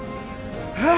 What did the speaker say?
えっ！